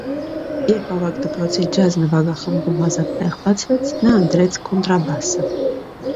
Երբ ավագ դպրոցի ջազ նվագախմբում ազատ տեղ բացվեց, նա ընտրեց կոնտրաբասը։